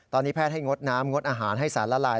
ตอนนี้แพทย์ให้งดน้ำงดอาหารให้สารละลาย